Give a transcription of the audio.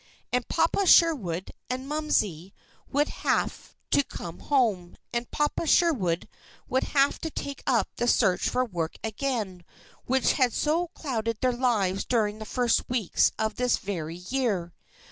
And "Papa Sherwood" and "Momsey" would have to come home, and "Papa Sherwood" would have to take up the search for work again which had so clouded their lives during the first weeks of this very year.